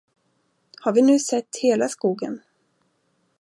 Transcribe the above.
Har vi nu sett hela skogen?